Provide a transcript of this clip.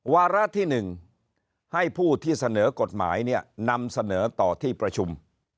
วาระที่๑ให้ผู้ที่เสนอกฎหมายเนี่ยนำเสนอต่อที่ประชุม